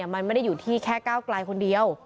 มันไม่ได้อยู่ที่แค่ก้าวไกลคนเดียว